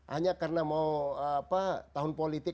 hanya karena mau tahun politik